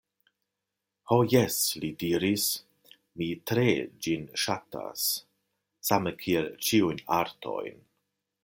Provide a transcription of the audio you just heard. Ho jes, li diris, mi tre ĝin ŝatas, same kiel ĉiujn artojn.